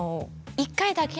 １回だけ。